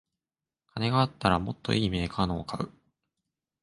金があったらもっといいメーカーのを買う